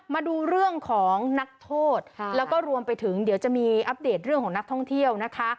มาดูเรื่องของนักโทษแล้วก็รวมไปถึงเดี๋ยวจะมีอัปเดตเรื่องของนักท่องเที่ยวนะคะ